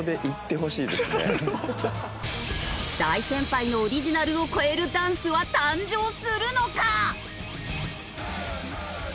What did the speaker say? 大先輩のオリジナルを超えるダンスは誕生するのか？